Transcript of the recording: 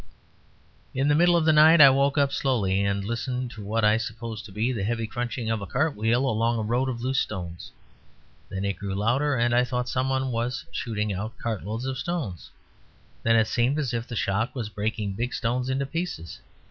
In the middle of the night I woke up slowly and listened to what I supposed to be the heavy crunching of a cart wheel along a road of loose stones. Then it grew louder, and I thought somebody was shooting out cartloads of stones; then it seemed as if the shock was breaking big stones into pieces.